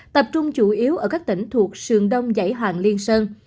tập trung chủ yếu ở các tỉnh thuộc sườn đông giải hoàng liên sơn